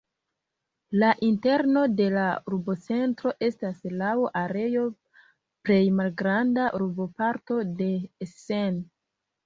La interno de la urbocentro estas la laŭ areo plej malgranda urboparto de Essen.